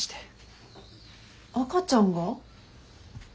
赤ちゃんが？